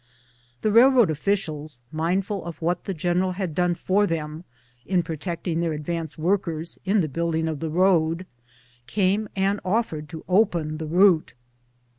The railroad officials, mind ful of what the general had done for them in protect ing their advance workers in the building of the road, came and offered to open the route.